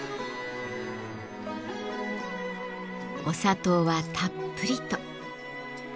お砂糖はたっぷりと。